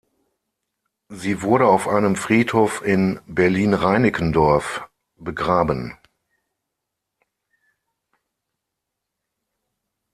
Sie wurde auf einem Friedhof in Berlin-Reinickendorf begraben.